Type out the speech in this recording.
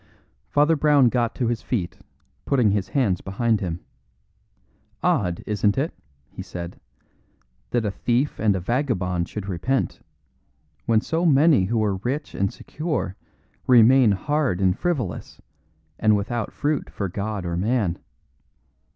Father Brown got to his feet, putting his hands behind him. "Odd, isn't it," he said, "that a thief and a vagabond should repent, when so many who are rich and secure remain hard and frivolous, and without fruit for God or man?